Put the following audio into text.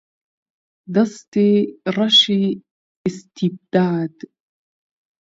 دەستی ڕەشی ئیستیبداد